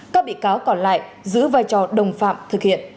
các bị cáo còn lại giữ vai trò đồng phạm thực hiện